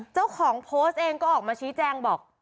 เจ้าของโพสต์เองก็ออกมาชี้แจงบอก